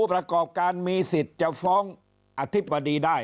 ประกอบการมีสิทธิ์จะฟ้องอธิบดีได้